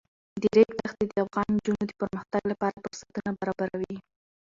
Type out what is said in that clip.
د ریګ دښتې د افغان نجونو د پرمختګ لپاره فرصتونه برابروي.